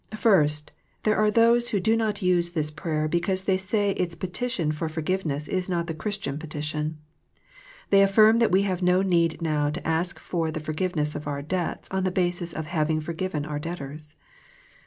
First, there are those who do not use this prayer because they say its petition for forgiveness is not the Christian petition. They affirm that we have no need now to ask for the forgiveness of our debts on the basis of having forgiven our debtors.